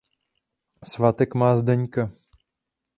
Svátek má Zdeňka.